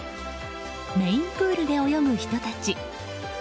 メインプールで泳ぐ人たち。